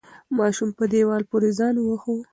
ماشوم په دیوال پورې ځان وواهه.